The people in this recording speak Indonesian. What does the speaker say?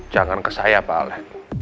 jangan ke saya pak ale